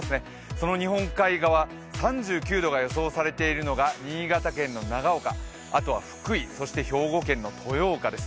その日本海側、３９度が予想されているのが新潟県の長岡、福井、兵庫県の豊岡です。